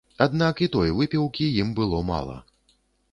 Аднак і той выпіўкі ім было мала.